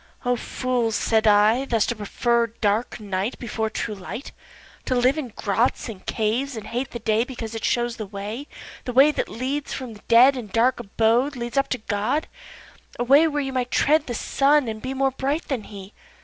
O fools (said I,) thus to prefer dark night Before true light, To live in grots, and caves, and hate the day Because it shows the way, The way which from the dead and dark abode Leads up to God, A way where you might tread the Sun, and be More bright than he.